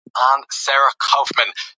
که موږ پوه سو نو څوک مو نه سي تېر ایستلای.